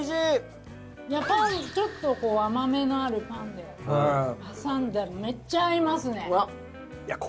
パンちょっと甘みのあるパンで挟んだらめっちゃ合いますね！